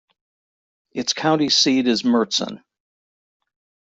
Its county seat is Mertzon.